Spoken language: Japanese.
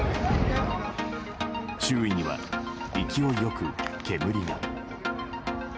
周囲には勢い良く煙が。